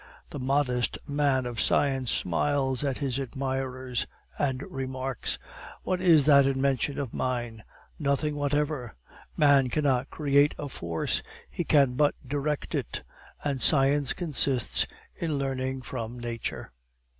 The modest man of science smiles at his admirers, and remarks, "What is that invention of mine? Nothing whatever. Man cannot create a force; he can but direct it; and science consists in learning from nature."